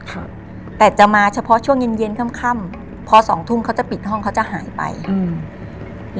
ครับแต่จะมาเฉพาะช่วงเย็นเย็นค่ำค่ำพอสองทุ่มเขาจะปิดห้องเขาจะหายไปอืม